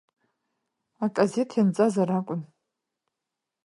Аказеҭ ианҵазар акәын.